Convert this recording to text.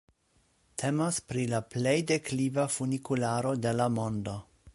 Temas pri la plej dekliva funikularo de la mondo.